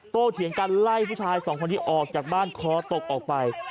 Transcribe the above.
เถียงกันไล่ผู้ชายสองคนนี้ออกจากบ้านคอตกออกไป